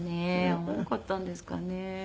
合わなかったんですかね。